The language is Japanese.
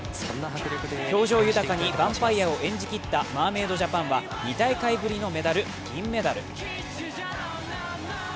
表情豊かにバンパイヤを演じきったマーメイドジャパンは２大会ぶりのメダル銀メダル。